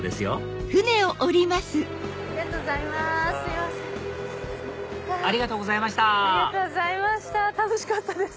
ありがとうございます。